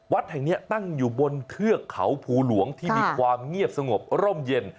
วัดแห่งนี้ตั้งอยู่บนเทือกเขาภูหลวงที่มีความเงียบสงบร่มเย็น